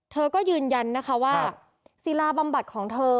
เธอก็ยืนยันนะคะว่าศิลาบำบัดของเธอ